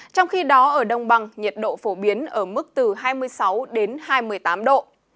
trong khi đó ở đông bằng nhiệt độ phổ biến ở mức từ hai mươi sáu đến hai mươi tám độ